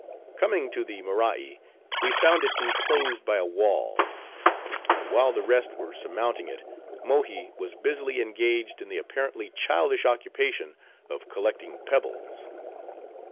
Coming to the Morai, we found it inclosed by a wall; and while the rest were surmounting it, Mohi was busily engaged in the apparently childish occupation of collecting pebbles.